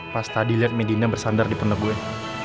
pas tadi liat medina bersandar di penerbuan